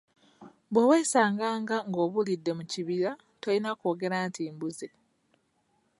Bwe weesanganga ng’obulidde mu kibira tolina kwogera nti “mbuze”.